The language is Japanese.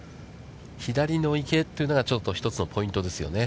左の池というのが、ちょっと１つのポイントですよね。